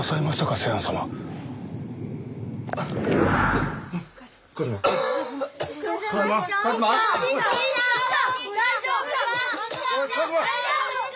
大丈夫か！